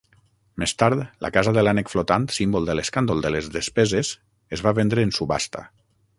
Més tard, la casa de l'ànec flotant, símbol de l'escàndol de les despeses, es va vendre en subhasta.